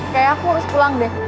kayak aku harus pulang deh